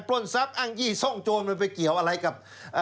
ล้นทรัพย์อ้างยี่ซ่องโจรมันไปเกี่ยวอะไรกับ